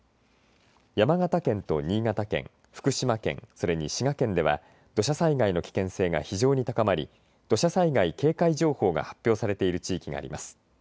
山形県と新潟県福島県、それに滋賀県では土砂災害の危険性が非常に高まり土砂災害警戒情報が発表されている地域があります。